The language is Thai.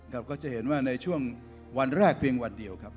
ก็จะเห็นว่าในช่วงวันแรกเพียงวันเดียวครับ